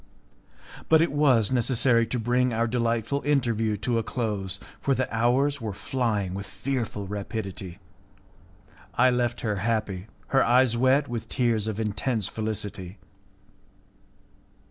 But it was necessary to bring our delightful interview to a close, for the hours were flying with fearful rapidity. I left her happy, her eyes wet with tears of intense felicity.